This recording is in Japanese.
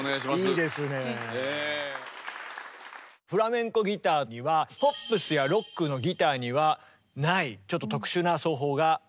フラメンコギターにはポップスやロックのギターにはないちょっと特殊な奏法があるんですね。